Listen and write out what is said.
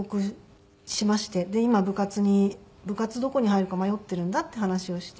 で今部活に部活どこに入るか迷っているんだっていう話をして。